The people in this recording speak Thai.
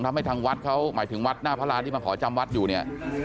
ทำให้ทางวัดเขาหมายถึงวัดหน้าพระราณที่มาขอจำวัดอยู่เนี่ย